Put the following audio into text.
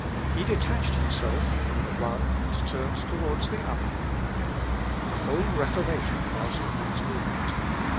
He detached himself from the one and turned towards the other. The whole Reformation was in that movement.